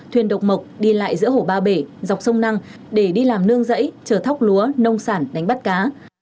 thuyền độc mộc đi lại giữa hồ ba bể dọc sông năng để đi làm nương rẫy chờ thóc lúa nông sản đánh bắt cá